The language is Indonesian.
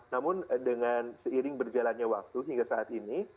namun dengan seiring berjalannya waktu hingga saat ini